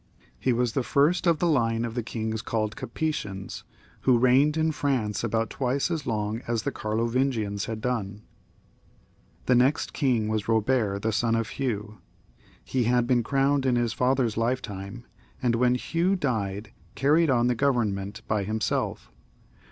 He was the first of the line of Idngs called Gapetians, who reigned in France about twice as long as the Carlovingians had done. The next king was Bobert, the son of Hugh. He had been crowned in his father's lifetime, and when Hugh died, carried on the government by himself.